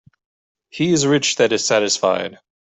He is rich that is satisfied.